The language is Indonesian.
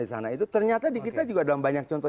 di sana itu ternyata di kita juga dalam banyak contoh